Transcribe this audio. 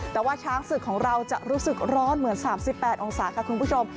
แต่ว่าช้างศึกของเราจะรู้สึกร้อนเหมือน๓๘องศาค่ะคุณผู้ชม